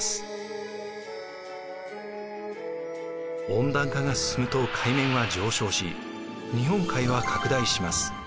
温暖化が進むと海面は上昇し日本海は拡大します。